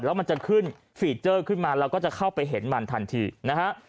แล้วมันจะขึ้นฟีเจอร์ขึ้นมาเราก็จะเข้าไปเห็นมันทันทีนะฮะ